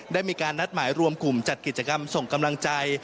ได้มีการนัดหมายรวมกลุ่มจัดกิจกรรมส่งกำลังใจ